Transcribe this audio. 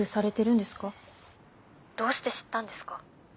☎どうして知ったんですか？